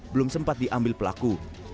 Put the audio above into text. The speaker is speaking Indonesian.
belum sempat diambil pelaku